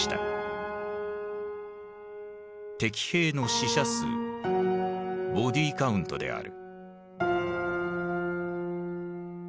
敵兵の死者数「ボディカウント」である。